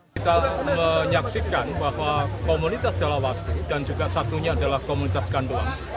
kita menyaksikan bahwa komunitas jalawastu dan juga satunya adalah komunitas ganduan